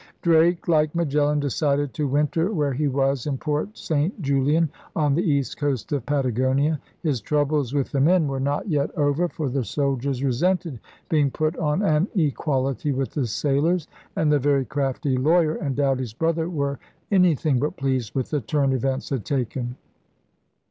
Drake, like Magellan, decided to winter where he was, in Port St. Julian on the east coast of Patagonia. His troubles with the men were not yet over; for the soldiers resented beiug put on 126 ELIZABETHAN SEA DOGS an equality with the sailors, and the *very craftie lawyer' and Doughty 's brother were anything but pleased with the turn events had taken.